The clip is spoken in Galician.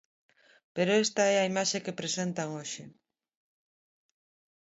Pero esta é a imaxe que presentan hoxe.